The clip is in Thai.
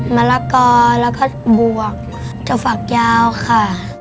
มะละกอแล้วก็บวกจะฝักยาวค่ะ